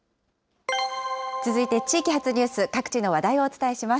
続いて地域発ニュース、各地の話題をお伝えします。